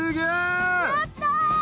やった！